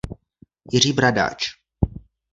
Jiří Bradáč.